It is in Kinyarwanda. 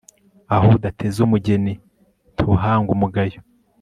aho udatezeumugeni ntuhanga umugayo